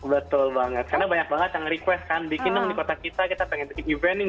betul banget karena banyak banget yang request kan bikin di kota kita kita pengen bikin eventing